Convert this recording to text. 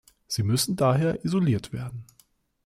Sie müssen daher isoliert werden.